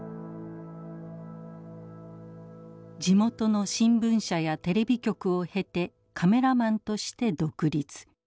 地元の新聞社やテレビ局を経てカメラマンとして独立。